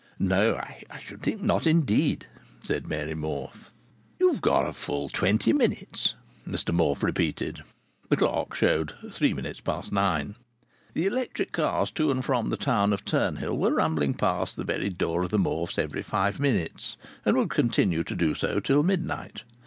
"No, I should think not, indeed!" said Mary Morfe. "You've got a full twenty minutes," Mr Morfe repeated. The clock showed three minutes past nine. The electric cars to and from the town of Turnhill were rumbling past the very door of the Morfes every five minutes, and would continue to do so till midnight.